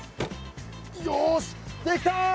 よしできた！